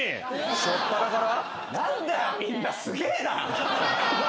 初っぱなから？